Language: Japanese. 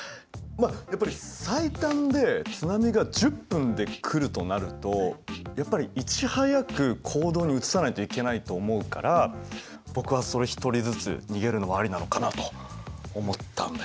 やっぱり最短で津波が１０分で来るとなるとやっぱりいち早く行動に移さないといけないと思うから僕は１人ずつ逃げるのもありなのかなと思ったんだけどね。